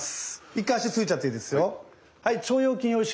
一回足ついちゃっていいですよ。